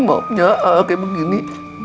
maafnya ah kayak begini